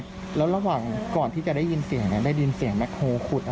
เพราะว่ามันไม่เคยเกิดขึ้นอะค่ะ